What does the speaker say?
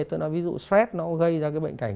tôi nói ví dụ stress nó gây ra cái bệnh cảnh